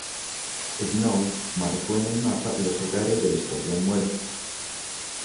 Snow marcó en el mapa los hogares de los que habían muerto.